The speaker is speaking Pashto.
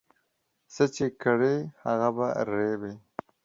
څه چې کرې هغه په رېبې